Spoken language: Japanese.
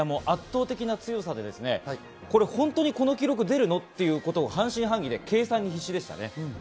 圧倒的な強さで本当にこんな記録出るの？っていうことを半信半疑で計算に必死でした。